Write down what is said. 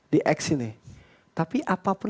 di x ini tapi apapun